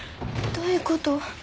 どういうこと？